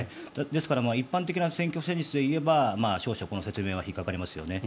ですから一般的な選挙戦術でいえば少々、この説明は引っかかりますよね。